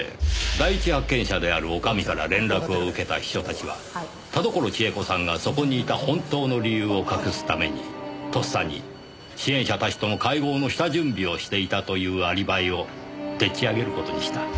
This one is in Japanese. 第一発見者である女将から連絡を受けた秘書たちは田所千枝子さんがそこにいた本当の理由を隠すためにとっさに支援者たちとの会合の下準備をしていたというアリバイをでっち上げる事にした。